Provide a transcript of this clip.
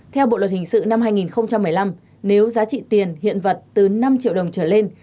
theo bộ luật hình sự năm hai nghìn một mươi năm nếu giá trị tiền hiện vật từ năm triệu đồng trở lên